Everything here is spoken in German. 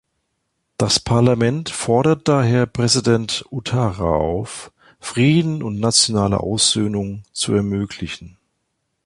Das Parlament fordert daher Präsident Ouattara auf, Frieden und nationale Aussöhnung zu ermöglichen.